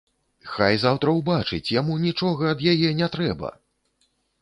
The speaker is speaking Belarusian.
Хай заўтра ўбачыць, яму нічога ад яе не трэба!